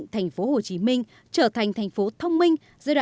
tầm nhìn hai nghìn hai mươi năm